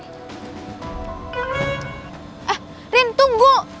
eh rin tunggu